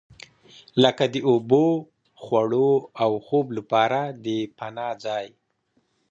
لکه د اوبو، خوړو او خوب لپاره د پناه ځای.